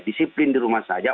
disiplin di rumah saja